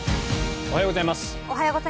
おはようございます。